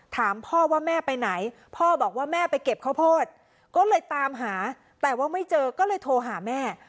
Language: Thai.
ถามพ่อว่าแม่ไปไหนพ่อบอกว่าแม่ไปเก็บข้าวโพดก็เลยตามหาแต่ว่าไม่เจอก็เลยโทรหาแม่